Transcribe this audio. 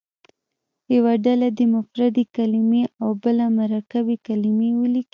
یوه ډله دې مفردې کلمې او بله مرکبې کلمې ولیکي.